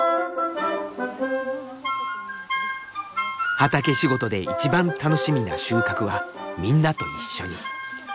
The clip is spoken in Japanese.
畑仕事で一番楽しみな収穫はみんなと一緒に。